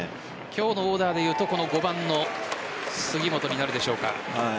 今日のオーダーでいうと５番の杉本になるでしょうか。